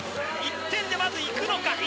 １点でまずいくのか？